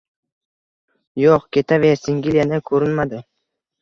Yo‘q, ketaver… Singil yana ko‘rinmadi